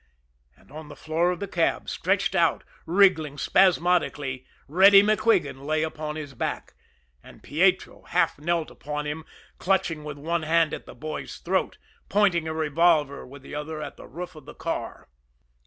And on the floor of the cab, stretched out, wriggling spasmodically, Reddy MacQuigan lay upon his back; and Pietro half knelt upon him, clutching with one hand at the boy's throat, pointing a revolver with the other at the roof of the car.